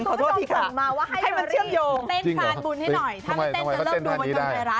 ขอร้อยที่เขาส่งมาว่าให้เยอรี่ต้องเต้นพรานบุญให้หน่อยหากไม่ได้